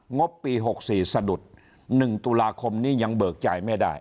งบปี๖๔สะดุด๑ตุลาคมนี้ยังเบิกจ่ายไม่ได้